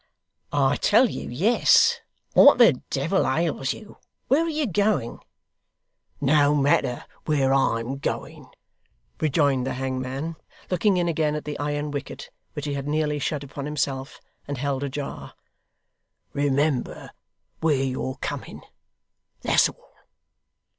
'I tell you, yes. What the devil ails you? Where are you going?' 'No matter where I'm going,' rejoined the hangman, looking in again at the iron wicket, which he had nearly shut upon himself, and held ajar. 'Remember where you're coming. That's all!